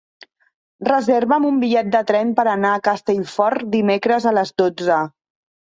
Reserva'm un bitllet de tren per anar a Castellfort dimecres a les dotze.